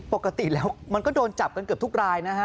ปกติแล้วมันก็โดนจับกันเกือบทุกรายนะฮะ